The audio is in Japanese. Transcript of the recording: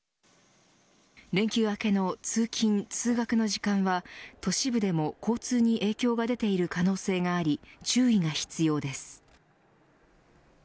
連休明けの通勤、通学の時間は都市部でも交通に影響が出ている可能性があり注意が必要です。